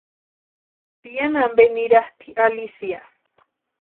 Piani ampe niratʼi Alicia.